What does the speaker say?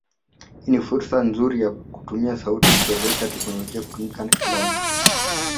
hii ni fursa nzuri ya kutumia sauti kuwezesha teknolojia kutumikia kila mtu.